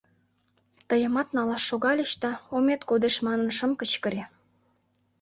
Тыйымат налаш шогальыч да, омет кодеш манын, шым кычкыре.